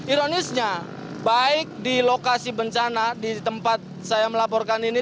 ironisnya baik di lokasi bencana di tempat saya melaporkan ini